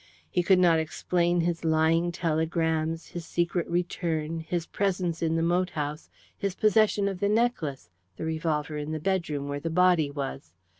He could not explain his lying telegrams, his secret return, his presence in the moat house, his possession of the necklace, the revolver in the bedroom where the body was.